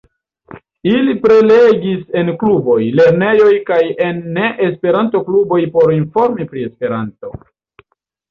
Ili prelegis en kluboj, lernejoj kaj en ne esperanto-kluboj por informi pri esperanto.